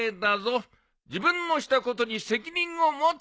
自分のしたことに責任を持て。